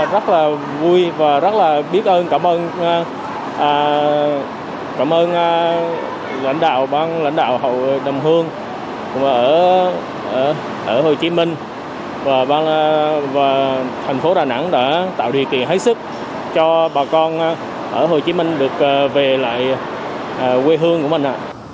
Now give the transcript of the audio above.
rất là vui và rất là biết ơn cảm ơn lãnh đạo hội đồng hương ở hồ chí minh và thành phố đà nẵng đã tạo điều kiện hãy sức cho bà con ở hồ chí minh được về lại quê hương của mình